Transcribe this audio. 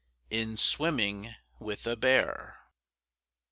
IN SWIMMING WITH A BEAR.